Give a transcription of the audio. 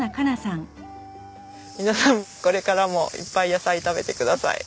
皆さんこれからもいっぱい野菜食べてください。